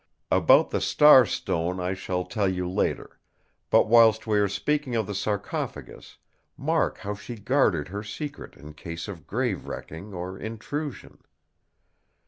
About the Star Stone I shall tell you later; but whilst we are speaking of the sarcophagus, mark how she guarded her secret in case of grave wrecking or intrusion.